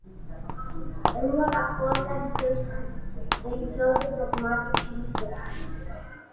È una raccolta di testi religiosi e dogmatici luterani.